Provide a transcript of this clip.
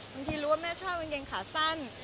บางทีรู้ว่าแม่ชอบมันกินขาสั้น